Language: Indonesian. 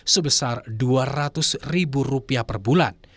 sebesar rp dua ratus ribu per bulan